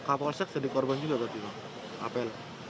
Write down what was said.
kapolsek sudah dikorban juga berarti pak apl